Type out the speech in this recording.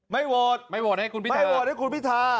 ไม่โหวตให้คุณพิธา